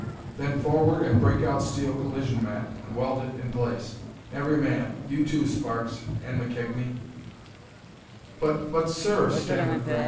"Then forward and break out steel collision mat and weld it in place! Every man! You, too, Sparks and McKegnie!" "But but, sir!" stammered Graham.